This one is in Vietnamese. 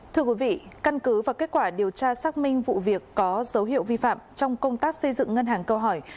thưa quý vị căn cứ và kết quả điều tra xác minh vụ việc có dấu hiệu vi phạm trong công tác xây dựng ngân hàng câu hỏi